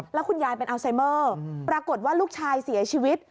แล้วคุณยายเป็นอัลไซเมอร์ปรากฏว่าลูกชายเสียชีวิต